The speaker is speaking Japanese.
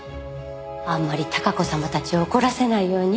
あんまり孝子様たちを怒らせないようにって。